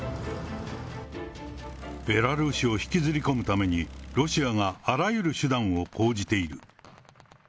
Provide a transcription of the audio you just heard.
ベラルーシを引きずり込むために、ロシアがあらゆる手段を講じている。